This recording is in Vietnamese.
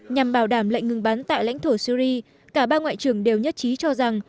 nhằm bảo đảm lệnh ngừng bắn tại lãnh thổ syri cả ba ngoại trưởng đều nhất trí cho rằng